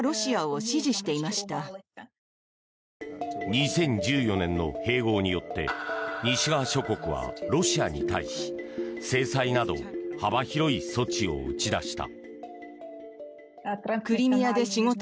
２０１４年の併合によって西側諸国はロシアに対し制裁など幅広い措置を打ち出した。